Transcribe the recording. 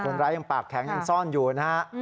ยังปากแข็งยังซ่อนอยู่นะฮะ